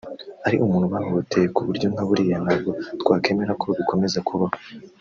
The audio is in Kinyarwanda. Ari umuntu bahohoteye ku buryo nka buriya ntabwo twakwemera ko bikomeza kubaho